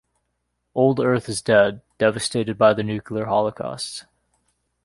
Old Earth is dead, devastated by the nuclear holocausts.